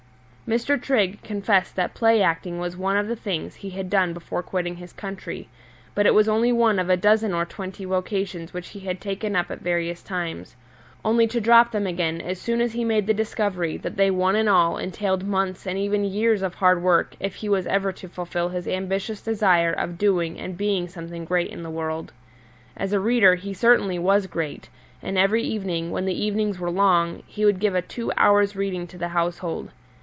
Mr. Trigg confessed that play acting was one of the things he had done before quitting his country; but it was only one of a dozen or twenty vocations which he had taken up at various times, only to drop them again as soon as he made the discovery that they one and all entailed months and even years of hard work if he was ever to fulfil his ambitious desire of doing and being something great in the world. As a reader he certainly was great, and every evening, when the evenings were long, he would give a two hours' reading to the household.